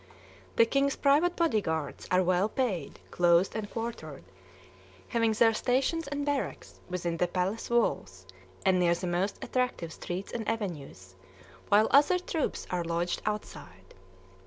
The king's private body guards are well paid, clothed, and quartered, having their stations and barracks within the palace walls and near the most attractive streets and avenues, while other troops are lodged outside.